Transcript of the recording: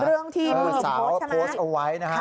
เรื่องที่มึงโพสใช่ไหมสาวโพสเอาไว้นะฮะ